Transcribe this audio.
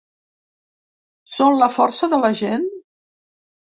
Són ‘la força de la gent’?